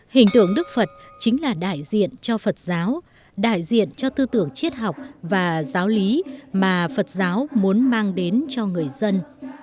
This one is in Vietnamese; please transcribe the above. hình tượng đức phật chính là đại diện cho phật giáo đại diện cho tư tưởng triết học và giáo lý mà phật giáo muốn mang đến cho người dân